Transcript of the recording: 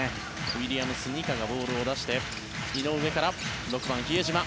ウィリアムス・ニカがボールを出して井上から６番、比江島。